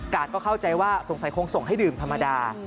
ก็เข้าใจว่าสงสัยคงส่งให้ดื่มธรรมดา